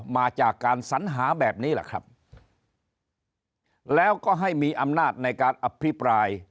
มาจากการสัญหาแบบนี้แหละครับแล้วก็ให้มีอำนาจในการอภิปราย